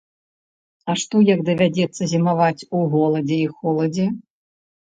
А што як давядзецца зімаваць у голадзе і холадзе?